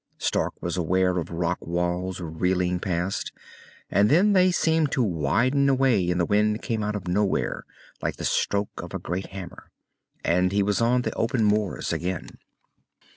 Stark was aware of rock walls reeling past, and then they seemed to widen away and the wind came out of nowhere like the stroke of a great hammer, and he was on the open moors again.